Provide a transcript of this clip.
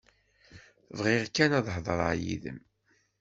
Bɣiɣ kan ad hedreɣ yid-m.